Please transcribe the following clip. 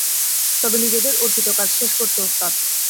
তবে, নিজেদের অর্পিত কাজ শেষ করতে ওস্তাদ।